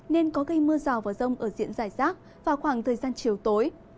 nên có gây mưa rào và rông ở diện giải rác vào khoảng thời gian chiều tối